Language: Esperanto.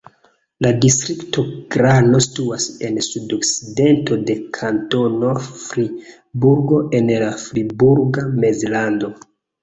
La distrikto Glano situas en sudokcidento de Kantono Friburgo en la Friburga Mezlando.